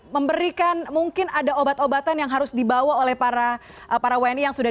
memberikan mungkin ada obat obatan yang harus dibawa oleh para wni yang sudah